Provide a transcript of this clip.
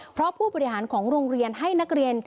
เพราะผู้บริหารของโรงเรียนให้นักเรียน